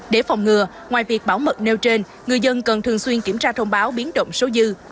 để phòng ngừa ngoài việc bảo mật nêu trên người dân cần thường xuyên kiểm tra thông báo biến động số dư